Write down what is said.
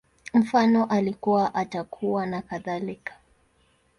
Mfano, Alikuwa, Atakuwa, nakadhalika